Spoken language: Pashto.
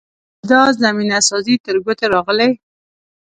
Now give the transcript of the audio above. اوس چې دا زمینه سازي تر ګوتو راغلې.